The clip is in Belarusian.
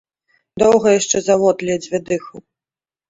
Доўга яшчэ завод ледзьве дыхаў.